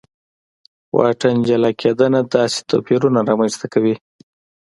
واټن جلا کېدنه داسې توپیرونه رامنځته کوي.